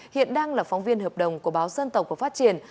hiện đang là phóng viên hợp đồng của báo dân tộc và phát triển